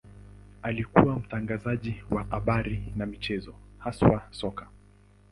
Alikuwa mtangazaji wa habari na michezo, haswa soka.